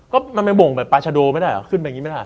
ก็มันเป็นมงค์แบบปาชโดไม่ได้หรอกขึ้นไปอย่างนี้ไม่ได้หรอก